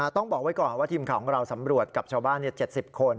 ต้องบอกไว้ก่อนว่าทีมข่าวของเราสำรวจกับชาวบ้าน๗๐คน